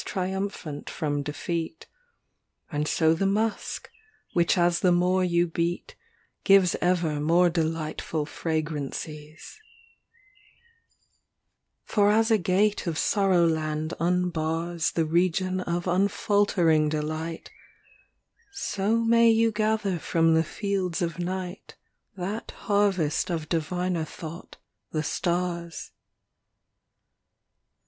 triumphant from defeat ; And so the musk, which as the more you beat, Gives ever more delightful fragrancies. 42 THE DIWAN OF ABUŌĆÖL ALA XXXIX For as a gat┬® of sorrow land unbars The region of unfaltering delight, So may you gather from the fields of night That harvest of diviner thought, the stars.